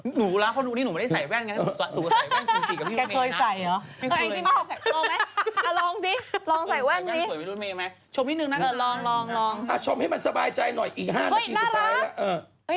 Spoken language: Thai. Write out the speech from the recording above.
ให้มันสบายใจหน่อยอีก๕นาทีสุดท้าย